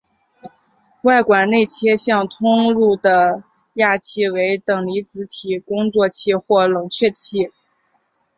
外管内切向通入的氩气为等离子体工作气或冷却气。